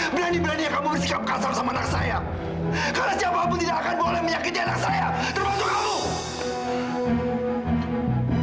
berani beraninya kamu bersikap kasar sama anak saya kalau siapa pun tidak akan boleh menyakiti anak saya terbatuk kamu